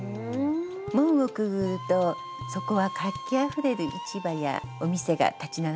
門をくぐるとそこは活気あふれる市場やお店が立ち並ぶんですね。